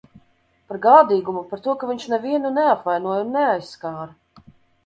Par gādīgumu, par to, ka viņš nevienu neapvainoja un neaizskāra.